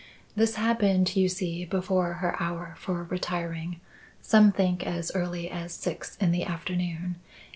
This happened, you see, before her hour for retiring; some think as early as six in the afternoon.